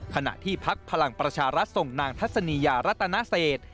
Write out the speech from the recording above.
ขณะที่พักพลังประชารัฐส่งนางทัศนียารัตนเศษ